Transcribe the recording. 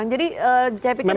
jadi saya pikir jangan